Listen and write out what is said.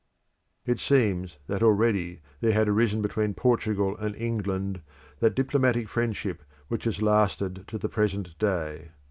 It seems that already there had risen between Portugal and England that diplomatic friendship which has lasted to the present day.